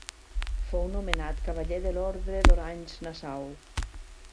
Fou nomenat cavaller de l'Orde d'Orange-Nassau.